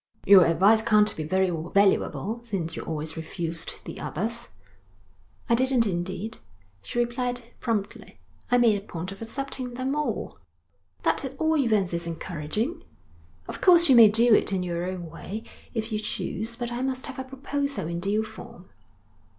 'Your advice can't be very valuable, since you always refused the others.' 'I didn't indeed,' she replied promptly. 'I made a point of accepting them all.' 'That at all events is encouraging.' 'Of course you may do it in your own way if you choose. But I must have a proposal in due form.'